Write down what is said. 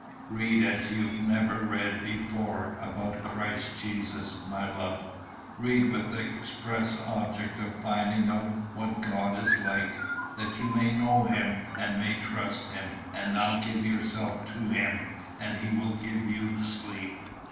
"Read as you have never read before about Christ Jesus, my love. Read with the express object of finding out what God is like, that you may know him and may trust him. And now give yourself to him, and he will give you sleep."